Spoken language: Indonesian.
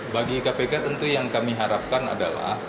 bagi kpk tentu yang kami harapkan adalah